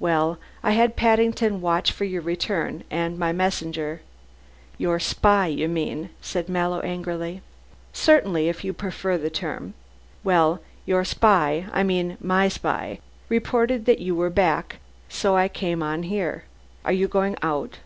Well, I had Paddington watch for your return, and my messenger " "Your spy, you mean," said Mallow angrily. "Certainly, if you prefer the term. Well, your spy I mean my spy, reported that you were back, so I came on here. Are you going out?"